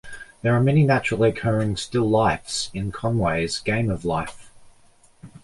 There are many naturally occurring still lifes in Conway's Game of Life.